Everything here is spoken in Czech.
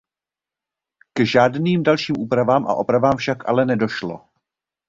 K žádným dalším úpravám a opravám však ale nedošlo.